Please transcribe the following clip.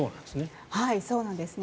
そうなんですね。